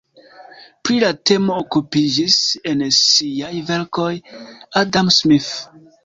Pri la temo okupiĝis en siaj verkoj Adam Smith.